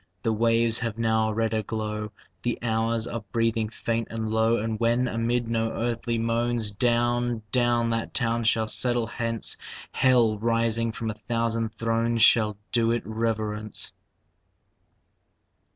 The waves have now a redder glow; The hours are breathing faint and low. And when, amid no earthly moans, Down, down that town shall settle hence, Hell, rising from a thousand thrones, Shall do it reverence.